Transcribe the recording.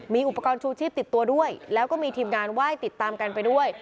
มีอุปกรณ์ชูชีพติดตัวด้วยแล้วก็มีทีมงานไหว้ติดตามกันไปด้วย